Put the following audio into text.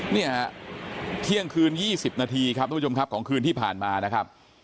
เนี่ยฮะเที่ยงคืน๒๐นาทีครับทุกผู้ชมครับของคืนที่ผ่านมานะครับ